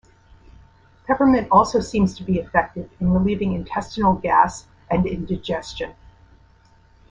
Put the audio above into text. Peppermint also seems to be effective in relieving intestinal gas and indigestion.